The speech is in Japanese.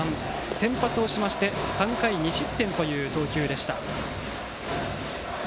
先発をしまして３回２失点という投球でした。